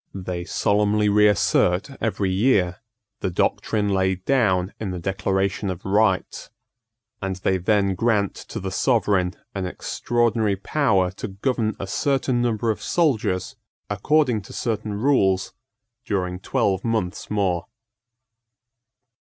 They solemnly reassert every year the doctrine laid down in the Declaration of Rights; and they then grant to the Sovereign an extraordinary power to govern a certain number of soldiers according to certain rules during twelve months more.